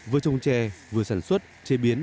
vừa trông trẻ vừa sản xuất chế biến